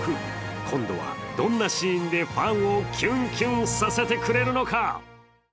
今度はどんなシーンでファンをキュンキュンさせてくれるのか。